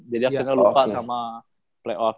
jadi akhirnya lupa sama playoff